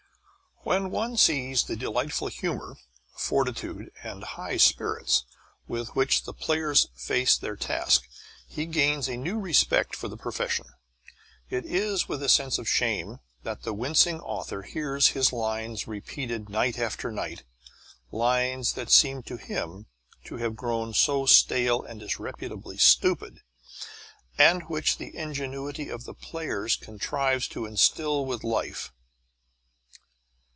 When one sees the delightful humour, fortitude, and high spirits with which the players face their task he gains a new respect for the profession. It is with a sense of shame that the wincing author hears his lines repeated night after night lines that seem to him to have grown so stale and disreputably stupid, and which the ingenuity of the players contrives to instill with life.